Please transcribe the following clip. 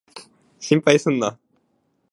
心配すんな。